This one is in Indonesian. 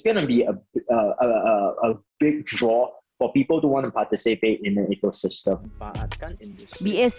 akan menjadi peningkatan besar untuk orang orang yang ingin berpartisipasi dalam ekosistem